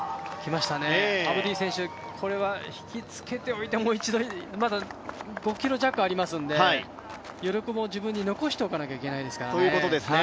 アブディ選手、これは引きつけておいてまだ５ｋｍ弱ありますので余力も自分に残しておかないといけませんからね